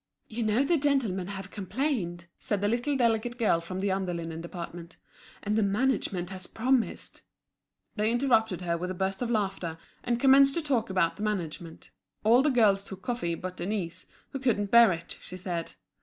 "You know the gentlemen have complained," said the little delicate girl from the under linen department, "and the management has promised—" They interrupted her with a burst of laughter, and commenced to talk about the management. All the girls took coffee but Denise, who couldn't bear it, she said.